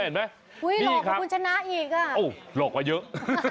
โอ้โหหลอกมาคุณชนะอีกอ่ะนี่ครับโอ้โหหลอกมาเยอะ